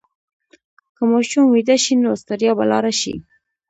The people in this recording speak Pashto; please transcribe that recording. که ماشوم ویده شي، نو ستړیا به لاړه شي.